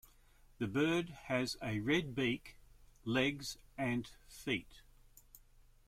The bird has a red beak, legs and feet.